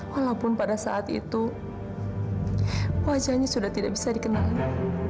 walaupun pada saat itu wajahnya sudah tidak bisa dikenali